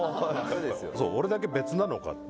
俺だけ別なのを買って。